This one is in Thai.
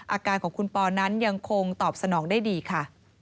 อาการของคุณปอนั้นยังคงตอบสนองได้ดีค่ะ